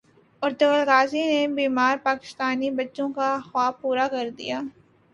Ertugrul Ghazi نے بیمار پاکستانی بچوں کا خواب پورا کردیا